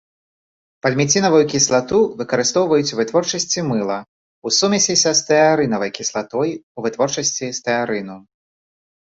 Пальміцінавую кіслату выкарыстоўваюць у вытворчасці мыла, у сумесі са стэарынавай кіслатой у вытворчасці стэарыну.